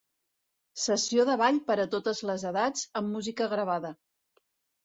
Sessió de ball per a totes les edats amb música gravada.